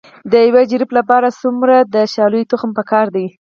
د یو جریب لپاره څومره د شالیو تخم پکار دی؟